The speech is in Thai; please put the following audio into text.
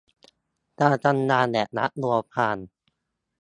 การทำงานแบบลับลวงพราง